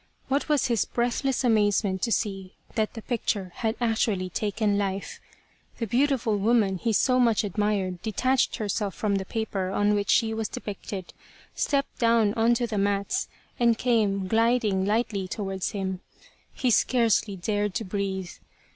What was his breathless amazement to see that the picture had actually taken life. The beautiful woman he so much admired detached herself from the paper on which she was depicted, stepped down on to the mats, and came gliding lightly towards him. He scarcely dared to breathe.